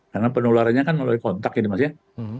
karena penularannya kan melalui kontak ini maksudnya